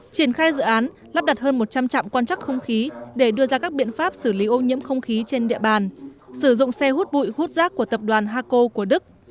triển khai dự án lắp đặt hơn một trăm linh trạm quan chắc không khí để đưa ra các biện pháp xử lý ô nhiễm không khí trên địa bàn sử dụng xe hút bụi hút rác của tập đoàn haco của đức